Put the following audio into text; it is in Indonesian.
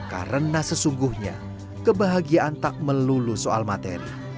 karena sesungguhnya kebahagiaan tak melulu soal materi